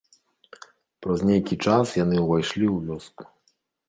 Праз нейкі час яны ўвайшлі ў вёску.